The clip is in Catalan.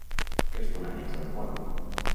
Els fonaments del pont.